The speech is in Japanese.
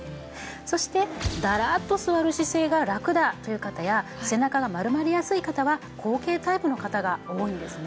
そしてダラッと座る姿勢がラクだという方や背中が丸まりやすい方は後傾タイプの方が多いんですね。